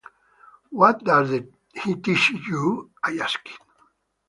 ‘What does he teach you?’ I asked.